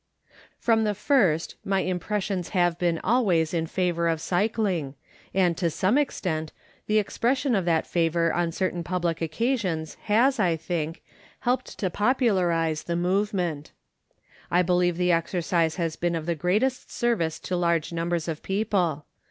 From the first my impressions have been always in favor of cycling, and, to some extent, the expression of that favor on certain public occasions has, I think, helped to popularize the movement. I believe the exercise has been of the greatest service to large numbers of people.